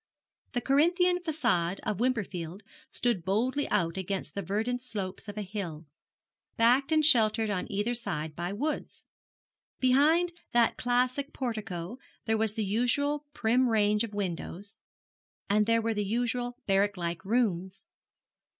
The Corinthian façade of Wimperfield stood boldly out against the verdant slope of a hill, backed and sheltered on either side by woods. Behind that classic portico there was the usual prim range of windows, and there were the usual barrack like rooms.